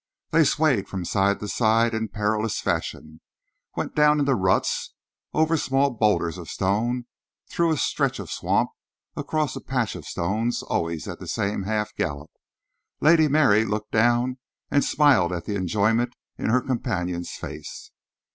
They swayed from side to side in perilous fashion, went down into ruts, over small boulders of stone, through a stretch of swamp, across a patch of stones, always at the same half gallop. Lady Mary looked down and smiled at the enjoyment in her companion's face.